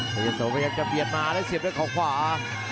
เพชรยะโสไปกันจะเปลี่ยนมาได้เสียบได้ของขวา